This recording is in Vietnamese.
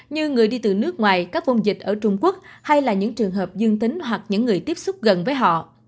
như người đi từ nước ngoài các vùng dịch ở trung quốc hay là những trường hợp dương tính hoặc những người tiếp xúc gần với họ